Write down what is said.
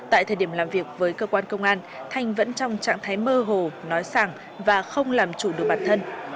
tại thời điểm làm việc với cơ quan công an thanh vẫn trong trạng thái mơ hồ nói sàng và không làm chủ được bản thân